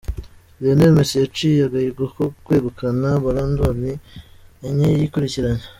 Lionel Messi yaciye agahigo ko kwegukana ballon d’or inye yikurikiranya.